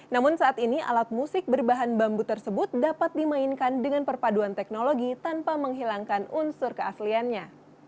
namun saat ini alat musik berbahan bambu tersebut dapat dimainkan dengan perpaduan teknologi tanpa menghilangkan unsur keasliannya